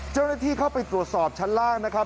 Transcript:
เจ้าหน้าที่เข้าไปตรวจสอบชั้นล่างนะครับ